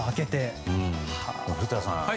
古田さん